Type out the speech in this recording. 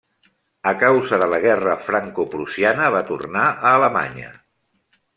A causa de la guerra francoprussiana va tornar a Alemanya.